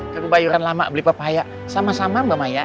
kaku bayuran lama beli papaya sama sama mbak maya